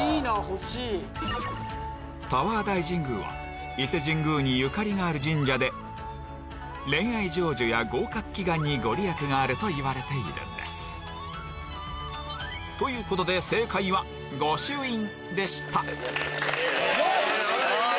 タワー大神宮は伊勢神宮にゆかりがある神社で恋愛成就や合格祈願に御利益があるといわれているんですということでよし！